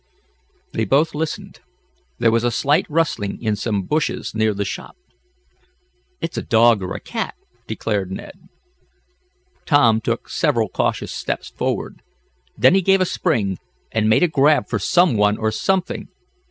They both listened. There was a slight rustling in some bushes near the shop. "It's a dog or a cat," declared Ned. Tom took several cautious steps forward. Then he gave a spring, and made a grab for some one or something.